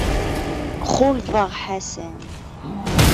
Xulḍeɣ Ḥasan.